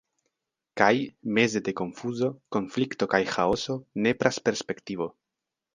Kaj, meze de konfuzo, konflikto kaj ĥaoso, nepras perspektivo.